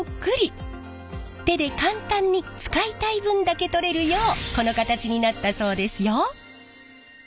手で簡単に使いたい分だけ取れるようこの形になったそうですよ。